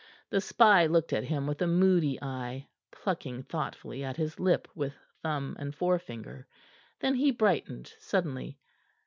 The spy looked at him with a moody eye, plucking thoughtfully at his lip with thumb and forefinger. Then he brightened suddenly.